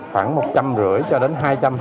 khoảng một trăm năm mươi cho đến hai trăm linh